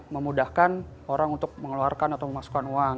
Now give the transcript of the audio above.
memudahkan orang untuk mengeluarkan atau memasukkan uang